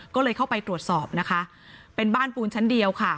ก็เลยเข้าไปตรวจสอบนะคะเป็นบ้านปูนชั้นเดียวค่ะ